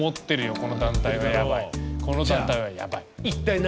この団体はやばい。